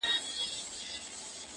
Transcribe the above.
• څو کوتري یې وې ښکار لره روزلي -